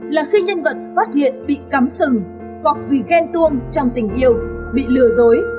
là khi nhân vật phát hiện bị cắm sừng hoặc vì ghen tuông trong tình yêu bị lừa dối